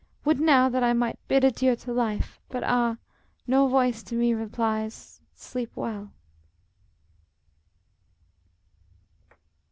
] Would now that I might bid adieu to life; But, ah! no voice to me replies, "Sleep well!"